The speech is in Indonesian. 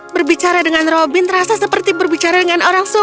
berbicara dengan robin rasa seperti berbicara dengan orang sungguhan